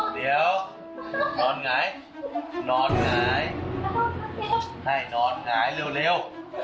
เดี๋ยวนอนไงนอนไงให้นอนไงเร็ว